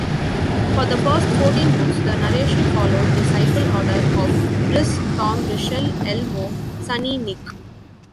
For the first fourteen books, the narration followed the cycle order of Liz-Tom-Richelle-Elmo-Sunny-Nick.